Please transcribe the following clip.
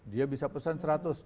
dia bisa pesan seratus